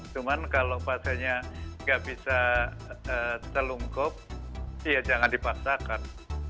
cuman kalau pasiennya nggak bisa terlungkup ya jangan dipaksakan